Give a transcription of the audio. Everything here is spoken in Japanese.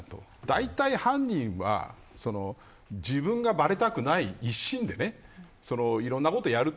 だいたい犯人は自分がばれたくない一心でいろんなことをやる。